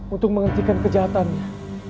untuk menghentikan kejahatannya